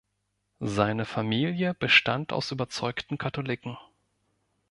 Seine Familie bestand aus überzeugten Katholiken.